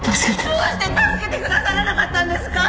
どうして助けてくださらなかったんですか！？